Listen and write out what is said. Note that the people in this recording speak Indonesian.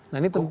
nah ini tentu